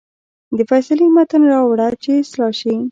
د فیصلې متن راوړه چې اصلاح شي.